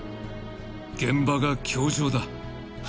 ［「現場が教場だ」］